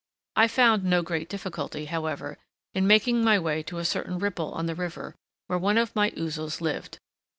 I found no great difficulty, however, in making my way to a certain ripple on the river where one of my ouzels lived.